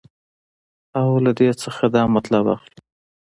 او له دې نه دا مطلب اخلو